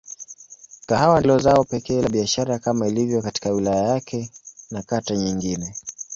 Kahawa ndilo zao pekee la biashara kama ilivyo katika wilaya yake na kata nyingine.